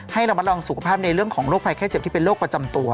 ให้เรามาลองสุขภาพในเรื่องของโรคภัยแค่เจ็บที่เป็นโรคประจำตัว